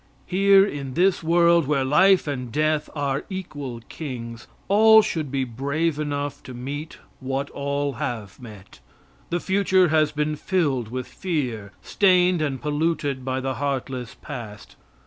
Here in this world, where life and death are equal kings, all should be brave enough to meet what all have met. The future has been filled with fear, stained and polluted by the heartless past.